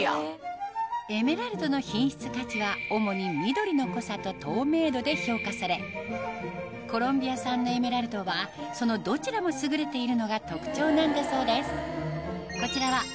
エメラルドの品質価値は主に緑の濃さと透明度で評価されコロンビア産のエメラルドはそのどちらも優れているのが特長なんだそうです